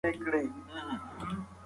موږ باید د ناسم تبلیغاتو مخه ونیسو.